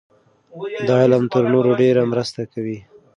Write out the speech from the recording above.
دا علم تر نورو ډېره مرسته کوي.